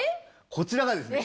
こちらがですね